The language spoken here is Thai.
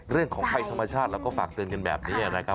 เรื่องของภัยธรรมชาติเราก็ฝากเตือนกันแบบนี้นะครับ